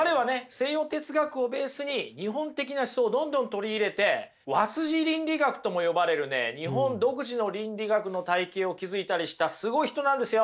西洋哲学をベースに日本的な思想をどんどん取り入れて和倫理学とも呼ばれるね日本独自の倫理学の体系を築いたりしたすごい人なんですよ。